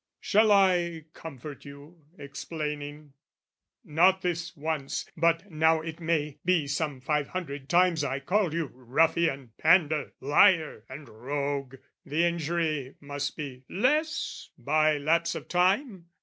Shall I comfort you, explaining "Not this once "But now it may be some five hundred times "I called you ruffian, pandar, liar, and rogue: "The injury must be less by lapse of time?"